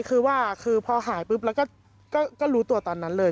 คือว่าคือพอหายปุ๊บแล้วก็รู้ตัวตอนนั้นเลย